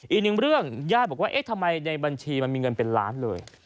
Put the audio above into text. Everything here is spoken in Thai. อีกหนึ่งเรื่องญาติบอกว่าเอ๊ะทำไมในบัญชีมันมีเงินเป็นล้านเลย